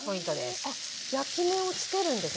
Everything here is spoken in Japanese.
あっ焼き目をつけるんですね